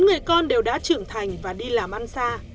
bốn người con đều đã trưởng thành và đi làm ăn xa